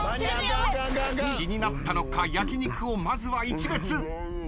気になったのか焼き肉をまずは一瞥。